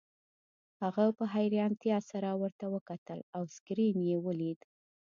هغه په حیرانتیا سره ورته وکتل او سکرین یې ولید